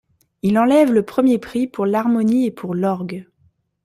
Il enlève le premier prix pour l'harmonie et pour l'orgue.